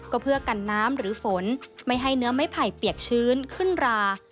ก็เพื่อกันน้ำหรือฝนไม่ให้เนื้อไม้ไผ่เปียกชื้นขึ้นรา